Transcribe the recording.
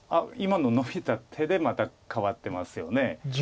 今のノビた手でまた変わってますよね。